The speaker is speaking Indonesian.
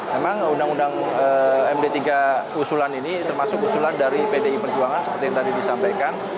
memang undang undang md tiga usulan ini termasuk usulan dari pdi perjuangan seperti yang tadi disampaikan